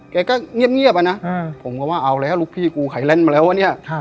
แกก็เงียบอะนะผมก็ว่าเอาแล้วลูกพี่กูไข่แลนดมาแล้ววะเนี่ย